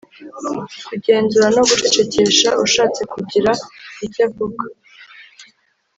kugenzura no gucecekesha ushatse kugira icyo avuga